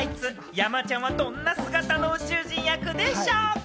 山ちゃんはどんな姿の宇宙人役でしょうか？